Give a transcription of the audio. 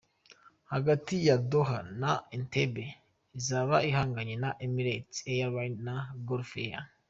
Hagati ya Doha na Entebbe izaba ihanganye na Emirates Airlines na Gulf Air.